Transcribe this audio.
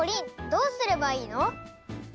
どうすればいいの？